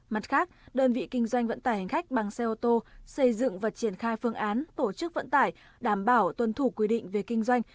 mặt khác đơn vị kinh doanh vận tải hành khách bằng xe ô tô xây dựng và triển khai phương án tổ chức vận tải đảm bảo tuân thủ quy định về kinh doanh